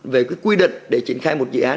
về cái quy định để triển khai một dự án